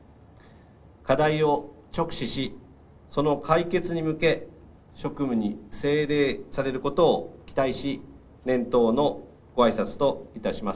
課題を直視しその解決に向け職務に精励されることを期待し年頭のごあいさつといたします。